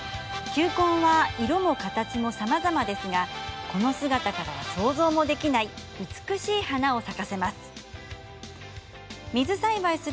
球根は色も形もさまざまですがこの姿からは想像もできない美しい花を咲かせます。